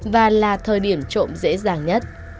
và là thời điểm trộm dễ dàng nhất